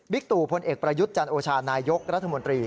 บิกตุพลเอกประยุทธ์จันทร์โอชาญนายกรัฐมนตรี